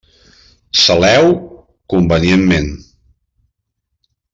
Saleu-ho convenientment.